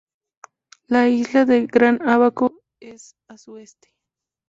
La isla de Gran Ábaco es a su este.